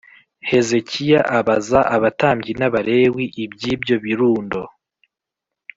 Hezekiya abaza abatambyi n Abalewi iby ibyo birundo